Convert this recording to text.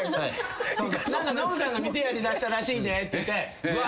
何かノブさんが店やりだしたらしいでって言うてうわ